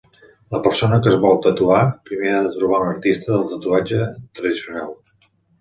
La persona que es vol tatuar, primer ha de trobar un artista del tatuatge tradicional.